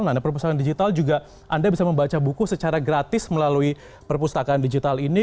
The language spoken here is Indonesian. nah perpustakaan digital juga anda bisa membaca buku secara gratis melalui perpustakaan digital ini